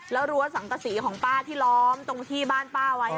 แล้วรั้วสังกษีของป้าที่ล้อมตรงที่บ้านป้าไว้